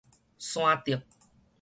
山竹